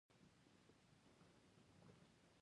پابندي غرونه د افغانستان د ناحیو ترمنځ تفاوتونه راولي.